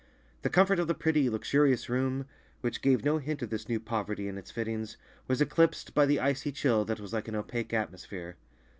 The comfort of the pretty, luxurious room, which gave no hint of this new poverty in its fittings, was eclipsed by the icy chill that was like an opaque atmosphere.